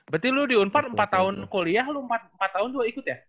berarti lu diunpar empat tahun kuliah lu empat tahun tuh ikut ya